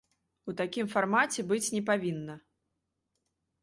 У такім фармаце быць не павінна.